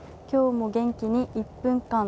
今日も元気に「１分！